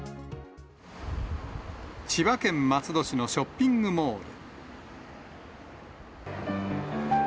千葉県松戸市のショッピングモール。